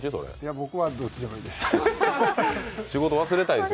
僕はどっちでもいいです。